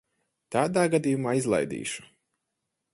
Tādā gadījumā izlaidīšu.